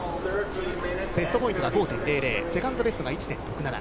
ベストポイントが５．００、セカンドベストが１．６７。